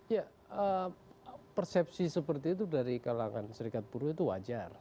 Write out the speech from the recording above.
ya persepsi seperti itu dari kalangan serikat buruh itu wajar